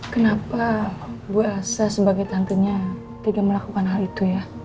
kenapa bu elsa sebagai tantenya tidak melakukan hal itu ya